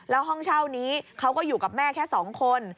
แล้วห้องเช่านี้เขาก็อยู่กับแม่แค่๒คน